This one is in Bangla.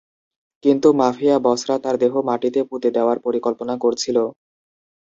কিন্তু মাফিয়া বসরা তার দেহ মাটিতে পুঁতে দেওয়ার পরিকল্পনা করছিল।